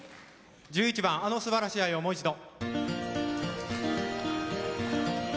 １１番「あの素晴しい愛をもう一度」。